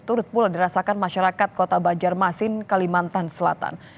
turut pula dirasakan masyarakat kota banjarmasin kalimantan selatan